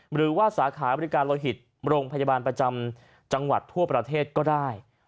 หรือว่าสาขาบริการโลหิตโรงพยาบาลประจำจังหวัดทั่วประเทศก็ได้